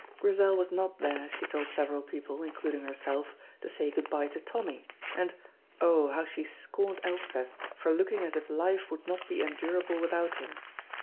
Grizel was not there, she told several people, including herself, to say good by to Tommy, and oh, how she scorned Elspeth, for looking as if life would not be endurable without him.